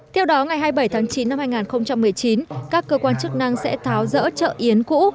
theo đó ngày hai mươi bảy tháng chín năm hai nghìn một mươi chín các cơ quan chức năng sẽ tháo rỡ chợ yến cũ